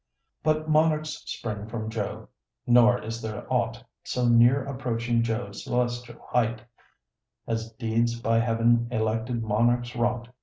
But monarchs spring from Jove nor is there aught So near approaching Jove's celestial height, As deeds by heav'n elected monarchs wrought.